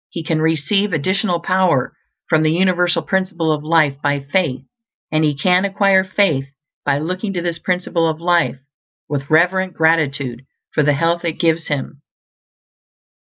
He can receive additional power from the universal Principle of Life by faith, and he can acquire faith by looking to this Principle of Life with reverent gratitude for the health it gives him.